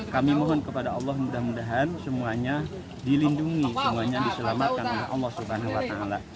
kami mohon kepada allah mudah mudahan semuanya dilindungi semuanya diselamatkan oleh allah swt